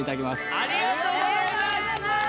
ありがとうございます！